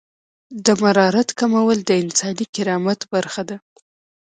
د مرارت کمول د انساني کرامت برخه ده.